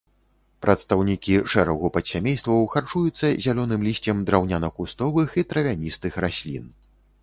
Прадстаўнікі шэрагу падсямействаў харчуюцца зялёным лісцем драўняна-кустовых і травяністых раслін.